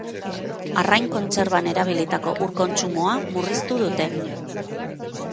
Arrain kontserban erabilitako ur kontsumoa murriztu dute.